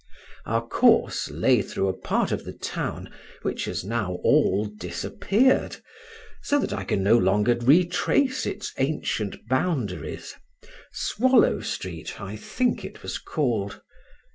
Our course lay through a part of the town which has now all disappeared, so that I can no longer retrace its ancient boundaries—Swallow Street, I think it was called.